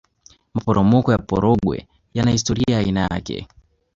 maporomoko ya kaporogwe yana hisitoria ya aina yake